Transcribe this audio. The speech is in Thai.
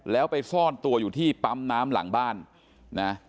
แล้วไปซ่อนตัวอยู่ที่ปั๊มน้ำหลังบ้านนะ